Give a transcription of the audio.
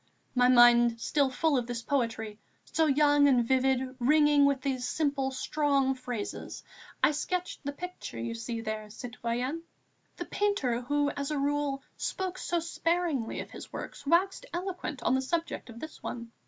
My mind still full of this poetry, so young and vivid, ringing with these simple, strong phrases, I sketched the picture you see there, citoyenne." The painter, who, as a rule, spoke so sparingly of his works, waxed eloquent on the subject of this one.